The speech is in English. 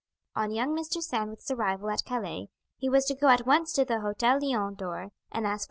On young Mr. Sandwith's arrival at Calais he was to go at once to the Hotel Lion door and ask for M.